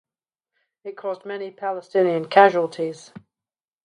It caused many Palestinian casualties.